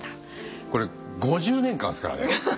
これ５０年間ですからね。